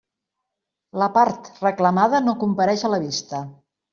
La part reclamada no compareix a la vista.